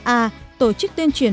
a tổ chức tuyên truyền